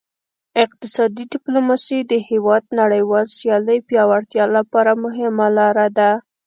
اقتصادي ډیپلوماسي د هیواد نړیوال سیالۍ پیاوړتیا لپاره مهمه لار ده